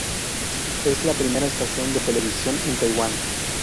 Es la primera estación de televisión en Taiwán.